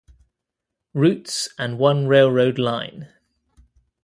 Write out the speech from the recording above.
Routes and one railroad line.